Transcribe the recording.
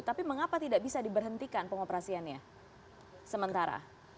tapi mengapa tidak bisa diberhentikan pengoperasiannya sementara